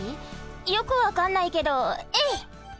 よくわかんないけどえいっ！